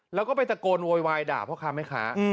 แล้วก็ไปตะโกนโวยวายด่าพระคามให้ขา